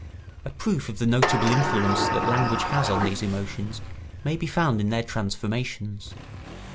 A proof of the notable influence that language has on these emotions may be found in their transformations.